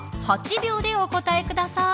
８秒でお答えください。